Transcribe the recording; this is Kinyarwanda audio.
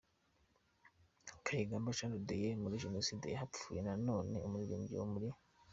Kayigamba Jean de Dieu, muri Jenoside hapfuye na none umuririmbyi wo muri.